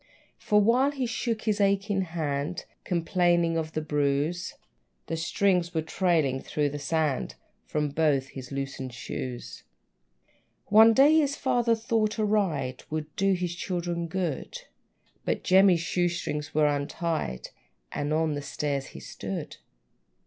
For while he shook his aching hand, Complaining of the bruise, The strings were trailing through the sand From both his loosened shoes. One day, his father thought a ride Would do his children good; But Jemmy's shoe strings were untied, And on the stairs he stood.